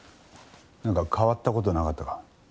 なんか変わった事なかったか？